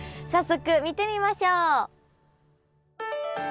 早速見てみましょう。